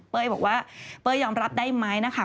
บอกว่าเป้ยยอมรับได้ไหมนะคะ